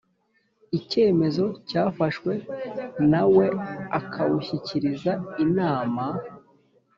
icyemezo cyafashwe nawe akabushyikiriza Inama